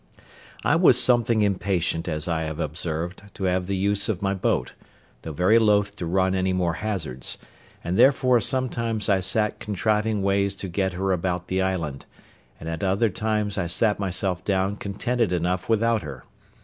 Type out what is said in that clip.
I was something impatient, as I have observed, to have the use of my boat, though very loath to run any more hazards; and therefore sometimes I sat contriving ways to get her about the island, and at other times I sat myself down contented enough without her.